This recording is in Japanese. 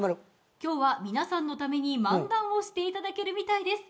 今日は皆さんのために漫談をしていただけるみたいです。